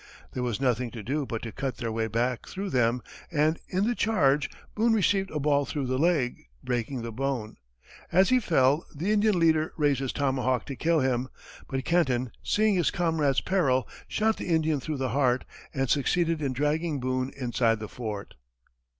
There was nothing to do but to cut their way back through them, and in the charge, Boone received a ball through the leg, breaking the bone. As he fell, the Indian leader raised his tomahawk to kill him, but Kenton, seeing his comrade's peril, shot the Indian through the heart, and succeeded in dragging Boone inside the fort.